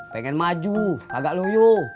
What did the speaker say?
pengen maju agak loyuh